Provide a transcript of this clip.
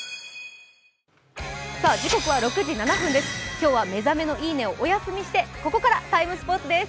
今日は「目覚めのいい音」をお休みして、ここから「ＴＩＭＥ，スポーツ」です。